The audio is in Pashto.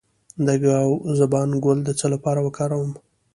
د ګاو زبان ګل د څه لپاره وکاروم؟